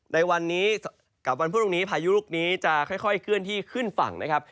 ในวันนี้กับวันพรุ่งนี้พายุลูกนี้จะค่อยเคลื่อนที่ขึ้นฝั่งนะครับ